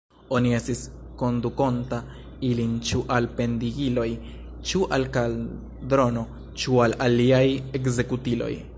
Oni estis kondukonta ilin ĉu al pendigiloj, ĉu al kaldrono, ĉu al aliaj ekzekutiloj.